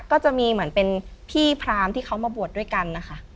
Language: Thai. ก็จะมีเหมือนเป็นพี่พรามที่เขามาบวชด้วยกันนะคะ